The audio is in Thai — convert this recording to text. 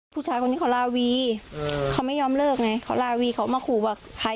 ผู้ชายคนนี้เขาลาวีเขาไม่ยอมเลิกไงเขาลาวีเขามาขู่ว่าใคร